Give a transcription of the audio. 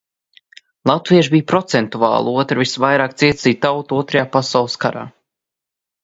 Latvieši bija procentuāli otra visvairāk cietusī tauta Otrajā pasaules karā.